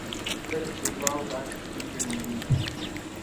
ځکه چي د دواړو د عقل سترګي ړندې دي.